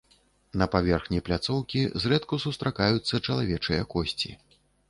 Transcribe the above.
На паверхні пляцоўкі зрэдку сустракаюцца чалавечыя косці.